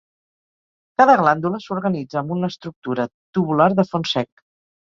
Cada glàndula s'organitza amb una estructura tubular de fons sec.